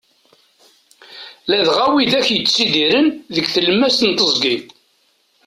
Ladɣa widak yettidiren deg tlemmast n teẓgi.